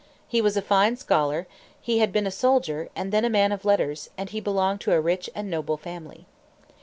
He was a fine scholar; he had been a soldier, and then a man of letters; and he belonged to a rich and noble family.